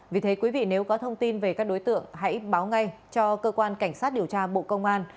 vì thế quý vị nếu có thông tin về các đối tượng hãy báo ngay cho cơ quan cảnh sát điều tra bộ công an